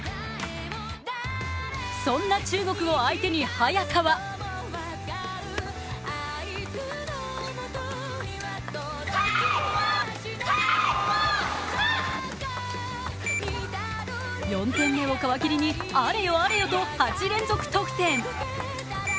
そんな中国を相手に早田は４点目を皮切りに、あれよあれよと８連続得点。